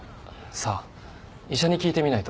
さあ医者に聞いてみないと。